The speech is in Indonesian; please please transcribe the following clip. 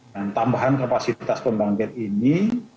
dan tambahan kapasitas pembangkit ini